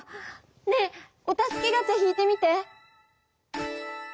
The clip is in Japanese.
ねえお助けガチャ引いてみて！